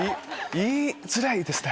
言いづらいですね。